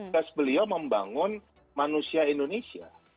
tes beliau membangun manusia indonesia